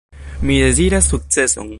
Mi deziras sukceson.